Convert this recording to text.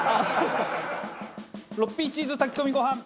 ６Ｐチーズ炊き込みご飯。